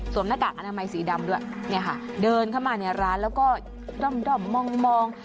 หน้ากากอนามัยสีดำด้วยเนี่ยค่ะเดินเข้ามาในร้านแล้วก็ด้อมมอง